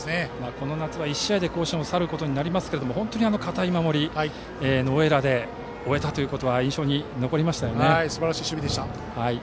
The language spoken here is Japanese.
この夏は１試合で甲子園を去ることになりますが本当に堅い守りノーエラーで終えたことがすばらしい守備でした。